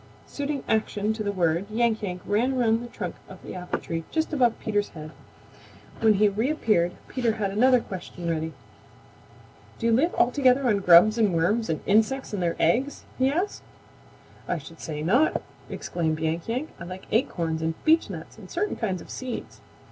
Suiting action to the word, Yank Yank ran around the trunk of the apple tree just above Peter's head. When he reappeared Peter had another question ready. "Do you live altogether on grubs and worms and insects and their eggs?" he asked. "I should say not!" exclaimed Yank Yank. "I like acorns and beechnuts and certain kinds of seeds."